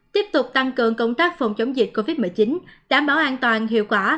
tiếp tục tăng cường công tác phòng chống dịch covid một mươi chín đảm bảo an toàn hiệu quả